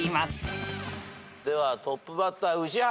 ではトップバッター宇治原。